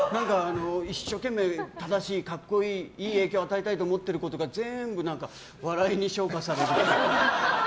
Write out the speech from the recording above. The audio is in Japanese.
一生懸命正しくいい影響を与えたいと思っていることが全部、笑いに昇華される。